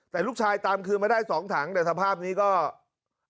แต่ลูกชายตามเกิดมาได้๒ถังแต่สภาพนี้เนี่ย